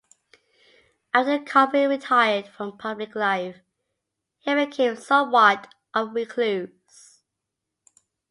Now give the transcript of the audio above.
After Conway retired from public life, he became somewhat of a recluse.